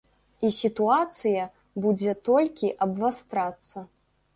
І сітуацыя будзе толькі абвастрацца.